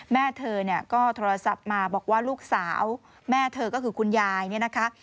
แม่เธอเนี่ยก็โทรศัพท์มาบอกว่าลูกสาวแม่เธอก็คือคุณยายเนี่ยนะคะ